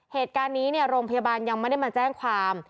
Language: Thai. เหตุการณ์นี้โรงพยาบาลยังไม่ได้มาแจ้งความ